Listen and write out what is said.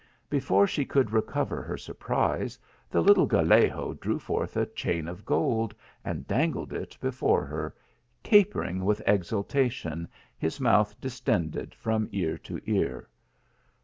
Before she could recover her surprise, the little Gallego drew forth a chain of gold and dangled it before her, capering with exultation, his mouth distended from ear to ear.